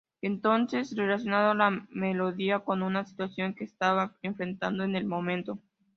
Entonces relacionó la melodía con una situación que estaba enfrentando en el momento.